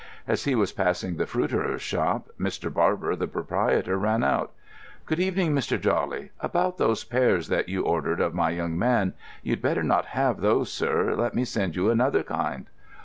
As he was passing the fruiterer's shop, Mr. Barber, the proprietor, ran out. "Good evening, Mr. Jawley. About those pears that you ordered of my young man. You'd better not have those, sir. Let me send you another kind."